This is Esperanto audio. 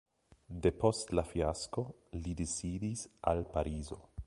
Depost la fiasko li disidis al Parizo.